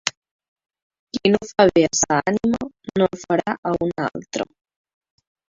Qui no fa bé a sa ànima, no el farà a una altra.